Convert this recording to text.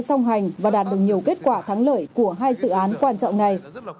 song hành và đạt được nhiều kết quả thắng lợi của hai dự án quan trọng này